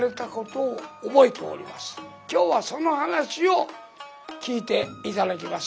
今日はその噺を聴いて頂きます。